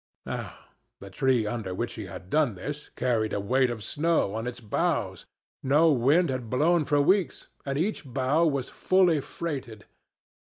Now the tree under which he had done this carried a weight of snow on its boughs. No wind had blown for weeks, and each bough was fully freighted.